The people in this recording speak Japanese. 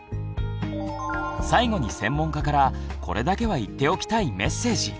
最後に専門家からこれだけは言っておきたいメッセージ。